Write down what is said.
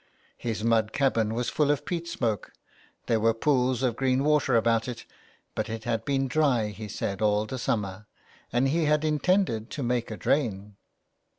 His mud cabin was full of peat smoke, there were pools of green water about it, but it had been dry, he said, all the summer ; and he had intended to make a drain.